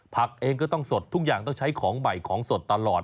ผักเองก็ต้องสดทุกอย่างต้องใช้ของใหม่ของสดตลอด